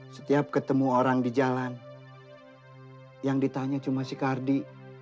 setiap ketemu orang di jalan yang ditanya cuma si kardi